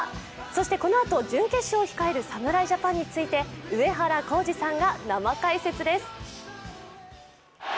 そして、このあと準決勝を控える侍ジャパンについて上原浩治さんが生解説です。